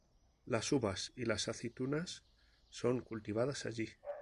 Las uvas y las aceitunas son cultivadas allí.